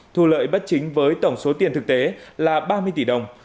thu lợi bất chính với tổng số tiền thực tế là ba mươi tỷ đồng